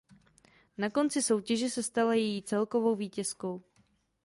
Na konci soutěže se stala její celkovou vítězkou.